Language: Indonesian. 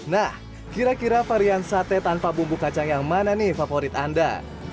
nah kira kira varian sate tanpa bumbu kacang yang mana nih favorit anda